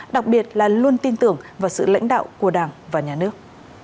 đặc biệt là luôn tin tưởng vào sự lãnh đạo của đảng và nhà nước